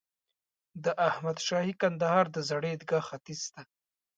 د احمد شاهي کندهار د زړې عیدګاه ختیځ ته.